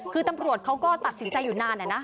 คือตำรวจเขาก็ตัดสินใจอยู่นานนะ